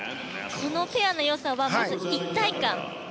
このペアの良さは一体感。